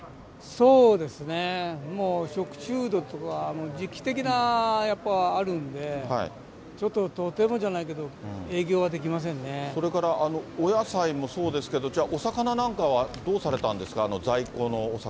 そうですね、もう食中毒とか、時期的なやっぱりあるんで、ちょっととてもじゃないけど、それから、お野菜もそうですけど、じゃあ、お魚なんかは、どうされたんですか？